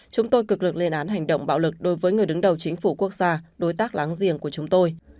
chúng tôi cực lực lên án hành động bạo lực đối với người đứng đầu chính phủ quốc gia đối tác láng giềng của chúng tôi